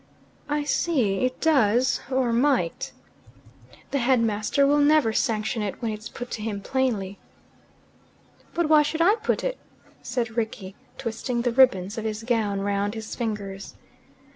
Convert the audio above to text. "I see. It does or might." "The headmaster will never sanction it when it's put to him plainly." "But why should I put it?" said Rickie, twisting the ribbons of his gown round his fingers.